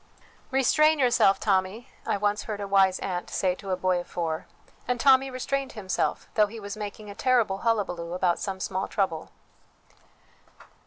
" Restrain yourself, Tommy," I once heard a wise aunt say to a boy of four, and Tommy restrained himself, though he was making a terrible hullabaloo about some small trouble.